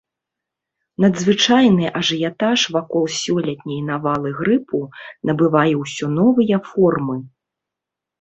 Надзвычайны ажыятаж вакол сёлетняй навалы грыпу набывае ўсё новыя формы.